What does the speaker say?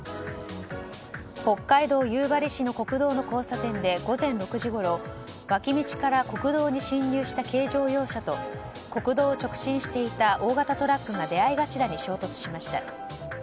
北海道夕張市の国道の交差点で午前６時ごろ、脇道から国道に進入した軽乗用車と国道を直進していた大型トラックが出合い頭に衝突しました。